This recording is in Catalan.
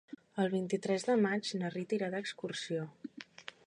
El vint-i-tres de maig na Rita irà d'excursió.